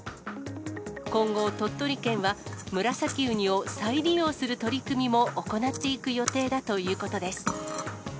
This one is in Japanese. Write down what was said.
今後、鳥取県は、ムラサキウニを再利用する取り組みも行っていく予定だということです。